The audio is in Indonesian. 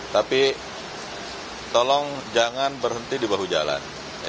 tapi tolong jangan berhenti di bahu jalan